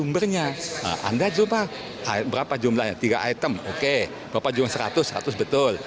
berapa jumlah seratus seratus betul